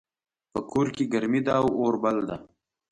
په کور کې ګرمي ده او اور بل ده